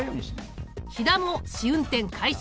肥田も試運転開始。